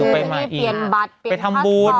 ไปมาอีกไปทำบูรณ์